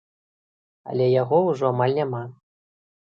Але яго ўжо амаль няма.